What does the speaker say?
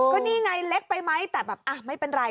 ก็นี่ไงเล็กไปไหมแต่แบบไม่เป็นไร